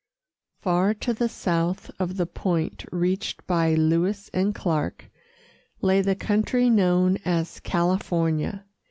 Far to the south of the point reached by Lewis and Clark lay the country known as California.